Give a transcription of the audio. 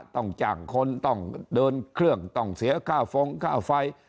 ต้องจ้างคนต้องเดินเครื่องต้องเสียค่าฟงค่าไฟ